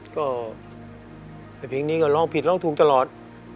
ก็ไอ้เพลงนี้ก็ร้องผิดร้องถูกตลอด